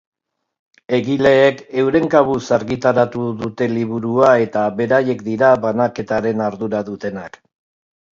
Egileek euren kabuz argitaratu dute liburua eta beraiek dira banaketaren ardura dutenak.